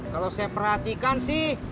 kalo saya perhatikan sih